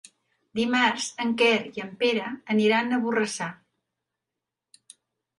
Dimarts en Quer i en Pere aniran a Borrassà.